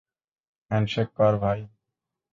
Handshake কর, ভাই।